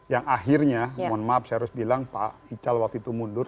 yang akhirnya mohon maaf saya harus bilang pak ical waktu itu mundur